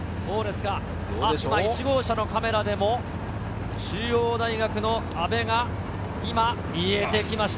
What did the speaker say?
１号車のカメラでも、中央大学の阿部が今見えてきました。